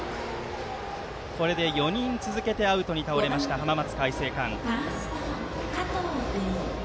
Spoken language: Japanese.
これで４人続けてアウトに倒れました浜松開誠館。